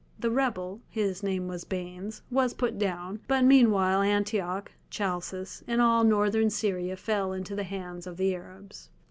The rebel—his name was Baanes—was put down, but meanwhile Antioch, Chalcis, and all Northern Syria fell into the hands of the Arabs.